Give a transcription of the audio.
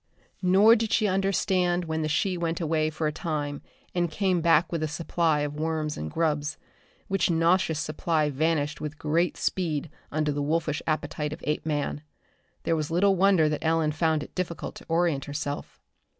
Nor did she understand when the she went away for a time and came back with a supply of worms and grubs which nauseous supply vanished with great speed under the wolfish appetite of Apeman. There was little wonder that Ellen found it difficult to orient herself.